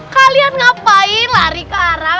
kalian ngapain lari ke arah